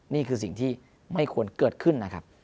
นี่คือสิ่งที่ไม่ควรเกิดขึ้น